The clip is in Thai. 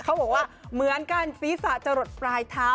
เขาบอกว่าเหมือนกันศีรษะจะหลดปลายเท้า